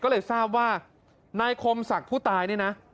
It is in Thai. ก็เลยทราบว่านายคมศักดิ์ผู้ตายเนี่ยนะ